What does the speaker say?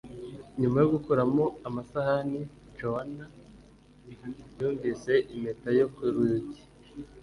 nyuma yo gukuramo amasahani, joan yumvise impeta yo ku rugi